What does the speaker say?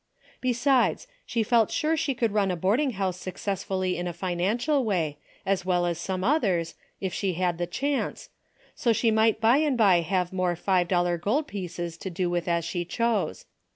Besides, she felt sure she could run a board ing house successfully in a financial way, as well as some others, if she had the chance, so she might by and by have more five dollar gold pieces to do with as she chose.